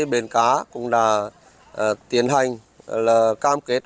các biên cá cũng đã tiến hành cam kết